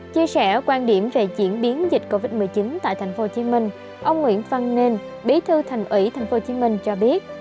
chia sẻ quan điểm về diễn biến dịch covid một mươi chín tại tp hcm ông nguyễn văn nên bí thư thành ủy tp hcm cho biết